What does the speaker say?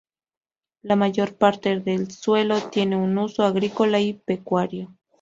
La mayor parte del suelo tiene un uso agrícola y pecuario.